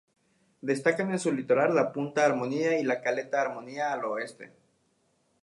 Destacan en su litoral la punta Armonía y la caleta Armonía al oeste.